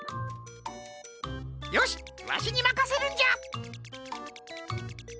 よしわしにまかせるんじゃ！